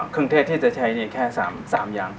เครื่องเทศที่จะใช้เนี่ยแค่สามสามอย่าง